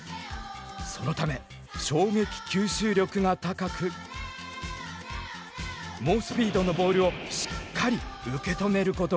そのため衝撃吸収力が高く猛スピードのボールをしっかり受け止めることができる。